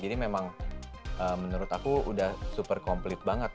jadi memang menurut aku udah super komplit banget